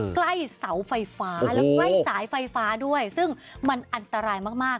ใกล้เสาไฟฟ้าแล้วใกล้สายไฟฟ้าด้วยซึ่งมันอันตรายมาก